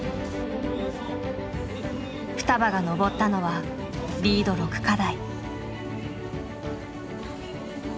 ふたばが登ったのはリード６課題。